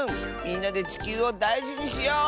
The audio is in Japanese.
みんなでちきゅうをだいじにしよう。